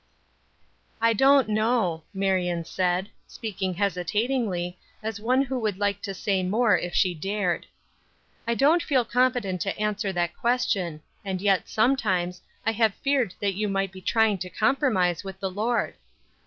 "I don't know," Marion said, speaking hesitatingly, as one who would like to say more if she dared. "I don't feel competent to answer that question, and yet, sometimes, I have feared that you might be trying to compromise with the Lord."